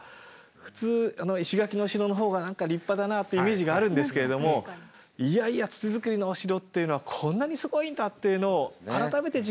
普通石垣のお城の方が何か立派だなというイメージがあるんですけれどもいやいや土づくりのお城というのはこんなにすごいんだというのを改めて実感できるっていう。